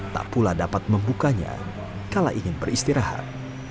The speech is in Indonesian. tak pula dapat membukanya kala ingin beristirahat